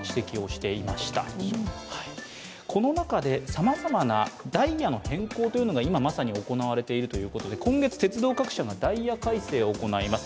さまざまなダイヤの変更というのが今まさに行われているということで今月、鉄道各社がダイヤ改正を行います。